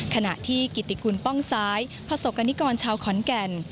ขณะที่กิติกุลป้องซ้ายภาษกนิกรชาวขอนแก่น